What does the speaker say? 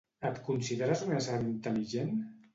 Et consideres un ésser intel·ligent?